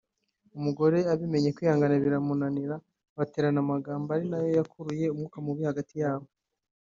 umugore abimenye kwihangana biramunanira baterana amagambo ari nayo yakuruye umwuka mubi hagati yabo